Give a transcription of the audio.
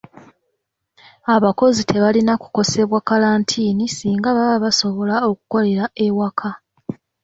Abakozi tebalina kukosebwa kalantiini singa baba basobola okukolera ewaka.